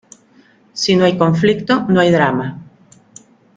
Si no hay conflicto no hay drama.